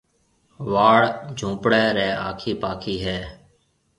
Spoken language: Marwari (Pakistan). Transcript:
واڙ جهونپڙَي ري آکي پاکي هيَ۔